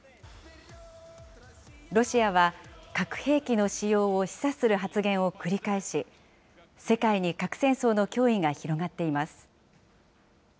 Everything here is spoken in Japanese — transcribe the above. ロシアは核兵器の使用を示唆する発言を繰り返し、世界に核戦争の脅威が広がっています。